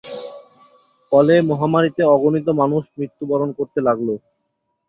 ফলে মহামারীতে অগণিত মানুষ মৃত্যুবরণ করতে লাগল।